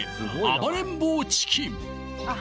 暴れん坊チキン